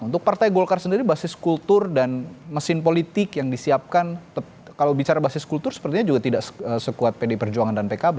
untuk partai golkar sendiri basis kultur dan mesin politik yang disiapkan kalau bicara basis kultur sepertinya juga tidak sekuat pdi perjuangan dan pkb